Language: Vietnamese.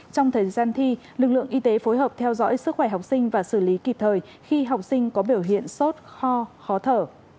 trong thời gian thi lực lượng y tế phối hợp theo dõi sức khỏe học sinh và xử lý kịp thời khi học sinh có biểu hiện sốt ho khó thở